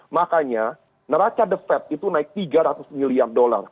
makanya neraca the fed itu naik tiga ratus miliar dolar